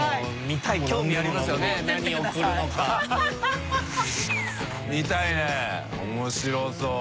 見たいね面白そう。